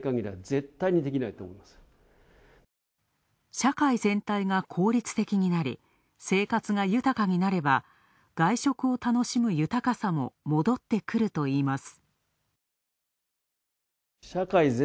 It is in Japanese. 社会全体が効率的になり、生活が豊かになれば外食を楽しむ豊かさも戻ってくるといいます。